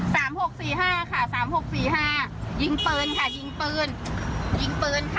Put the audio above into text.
๓๖๔๕ค่ะ๓๖๔๕ยิงปืนค่ะยิงปืนยิงปืนค่ะ